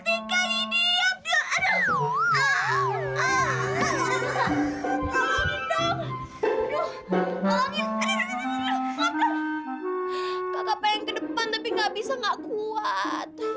kakak pengen ke depan tapi nggak bisa nggak kuat